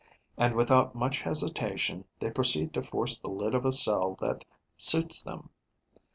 And, without much hesitation, they proceed to force the lid of a cell that suits them.